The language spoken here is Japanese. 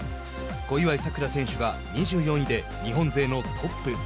小祝さくら選手が２４位で日本勢のトップ。